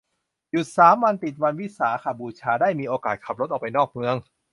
หยุดสามวันติดวันวิสาขบูชา ได้มีโอกาสขับรถออกไปนอกเมือง